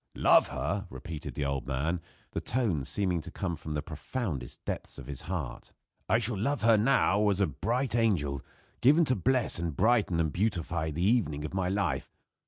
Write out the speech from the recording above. "Love her!" repeated the old man, the tones seeming to come from the profoundest depths of his heart, "I shall love her now as a bright angel, given to bless and brighten and beautify the evening of my life!